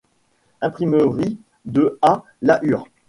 Imprimerie de A. Lahure